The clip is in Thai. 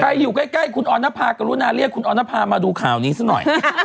ใครอยู่ใกล้คุณออนนะภากับดุหนาเลียคุณออนนะภามาดูข่าวนี้ซะหน่อย